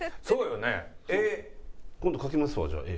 今度描きますわじゃあ絵。